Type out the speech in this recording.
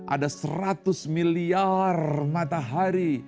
ada seratus miliar matahari